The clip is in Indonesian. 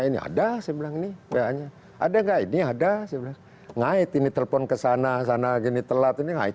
ini ada saya bilang ini ba nya ada nggak ini ada ngait ini telepon ke sana sana gini telat ini ngait